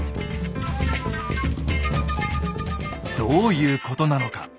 どういうことなのか。